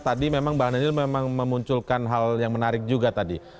tadi memang bang daniel memang memunculkan hal yang menarik juga tadi